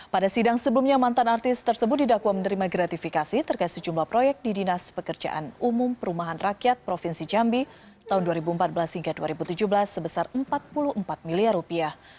pada sidang sebelumnya mantan artis tersebut didakwa menerima gratifikasi terkait sejumlah proyek di dinas pekerjaan umum perumahan rakyat provinsi jambi tahun dua ribu empat belas hingga dua ribu tujuh belas sebesar empat puluh empat miliar rupiah